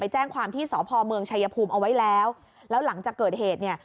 แจ้งความที่สพเมืองชายภูมิเอาไว้แล้วแล้วหลังจากเกิดเหตุเนี่ย